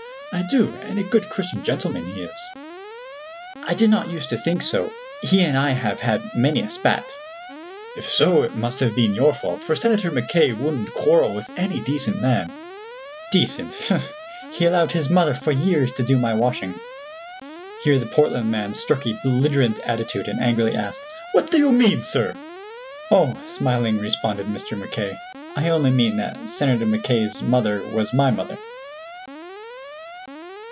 "I do, and a good Christian gentleman he is." "I did not use to think so; he and I have had many a spat." "If so, it must have been your fault, for Senator Mackay wouldn't quarrel with any decent man." "Decent! Humph! He allowed his mother for years to do my washing." Here the Portland man struck a belligerent attitude, and angrily asked: "What do you mean, sir?" "Oh," smilingly responded Mr. Mackay, "I only mean that Senator Mackay's mother was my mother."